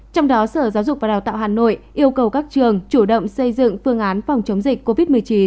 trong đó sở giáo dục và đào tạo hà nội yêu cầu các trường chủ động xây dựng phương án phòng chống dịch covid một mươi chín